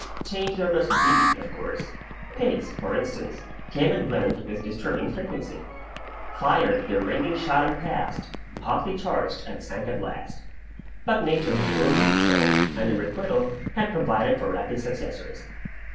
Change there must be, of course; pigs, for instance, came and went with disturbing frequency "Fired their ringing shot and passed, Hotly charged and sank at last," but Nature had ordered it so, and in requital had provided for rapid successors.